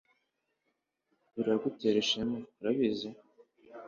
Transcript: biragutera ishema, urabizi